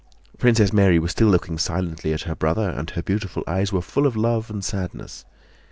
Princess Mary was still looking silently at her brother and her beautiful eyes were full of love and sadness.